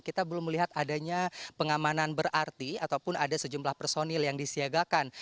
kita belum melihat adanya pengamanan berarti ataupun ada sejumlah personil yang disiagakan